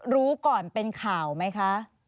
รู้ก่อนเป็นข่าวไหมคะ